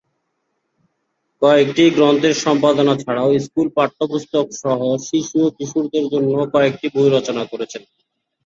কয়েকটি গ্রন্থে' র সম্পাদনা ছাড়াও স্কুল পাঠ্য পুস্তক সহ শিশু ও কিশোরদের জন্য কয়েকটি বই রচনা করেছেন।